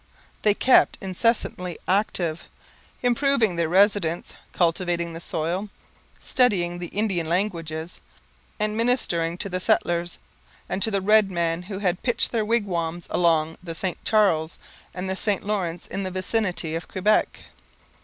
They kept incessantly active, improving their residence, cultivating the soil, studying the Indian languages, and ministering to the settlers and to the red men who had pitched their wigwams along the St Charles and the St Lawrence in the vicinity of Quebec.